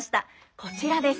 こちらです。